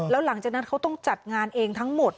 แล้วหลังจากนั้นเขาต้องจัดงานเองทั้งหมด